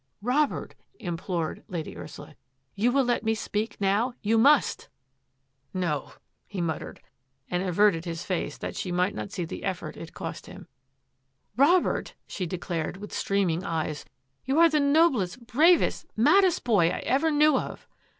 " Robert," implored Lady Ursula, " you will let me speak now? You must !" RETURN OF ROBERT SYLVESTER 119 " No !" he muttered, and averted his face that she might not see the effort it cost him. Robert," she declared, with streaming eyes, " you are the noblest, bravest, maddest boy I ever knew of